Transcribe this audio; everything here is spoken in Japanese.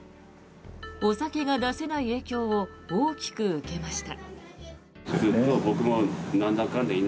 お酒が出せない影響を大きく受けました。